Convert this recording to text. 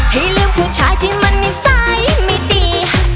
ให้ลืมผู้ชายที่มันนิสัยไม่ดี